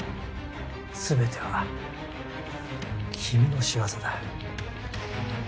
すべては君の仕業だ。